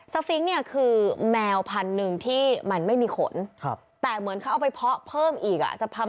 สฟิงเนี่ยคือแมวพันหนึ่งที่มันไม่มีขนแต่เหมือนเขาไปเพาะเพิ่มอีกจะทำเป็นสฟิงจิ๋ว